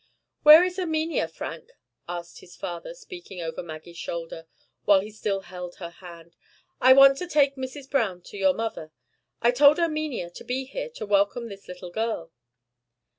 "Where is Erminia, Frank?" asked his father, speaking over Maggie's shoulder, while he still held her hand. "I want to take Mrs. Browne to your mother. I told Erminia to be here to welcome this little girl."